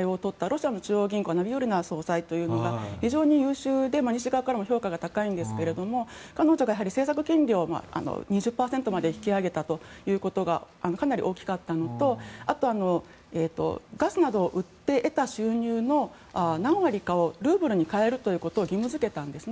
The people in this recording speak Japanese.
ロシアの中央銀行の総裁が非常に優秀で西側からも評価が高いんですが彼女が政策金利を２０％まで引き上げたということがかなり大きかったのとあとはガスなどを売って得た収入の何割かをルーブルに替えることを義務付けたんですね。